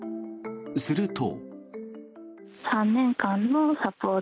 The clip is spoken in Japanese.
すると。